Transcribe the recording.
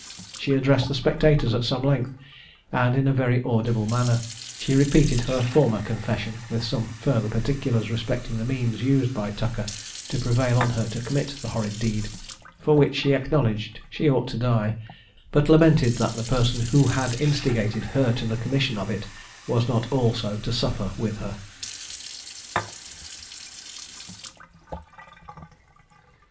She addressed the spectators at some length, and in a very audible manner; she repeated her former confession, with some further particulars respecting the means used by Tucker to prevail on her to commit the horrid deed, for which she acknowledged she ought to die, but lamented that the person who had instigated her to the commission of it was not also to suffer with her.